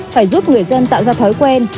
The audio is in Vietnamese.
phải giúp người dân tạo ra thói quen